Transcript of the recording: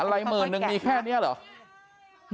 อะไรหมื่นนึงมีแค่นี้เหรอ